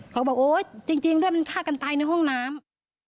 เขาบอกโอ๊ยจริงด้วยมันฆ่ากันตายในห้องน้ำ